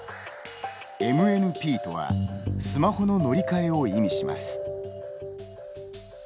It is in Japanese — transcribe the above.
ＭＮＰとはスマホの乗り換えを意味します。